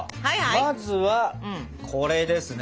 まずはこれですね？